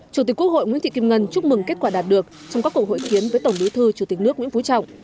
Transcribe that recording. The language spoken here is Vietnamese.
chủ tịch quốc hội nguyễn thị kim ngân chúc mừng kết quả đạt được trong các cuộc hội kiến với tổng bí thư chủ tịch nước nguyễn phú trọng